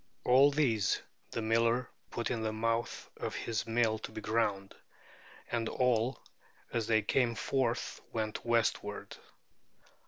All these the miller put into the mouth of his mill to be ground; and all as they came forth went westward.